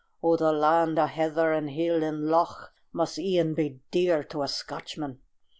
Oh, the land o' heather and hill and loch Must e'en be dear to a Scotchman.